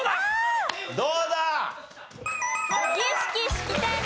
どうだ？